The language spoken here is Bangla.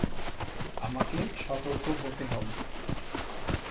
আমাকে সতর্ক হতে হবে।